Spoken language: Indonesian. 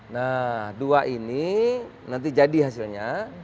nah dua ini nanti jadi hasilnya